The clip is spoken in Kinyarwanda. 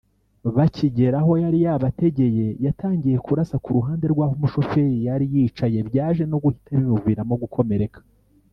Bakigera aho yari yabategeye yatangiye kurasa ku ruhande rw’ aho umushoferi yari yicaye byaje no guhita bimuviramo gukomereka